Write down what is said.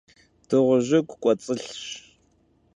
Dığujıgu k'uets'ılhş.